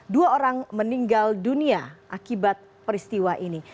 dua orang meninggal dunia akibat peristiwa ini